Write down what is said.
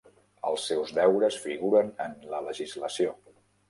Els seus deures figuren en la legislació.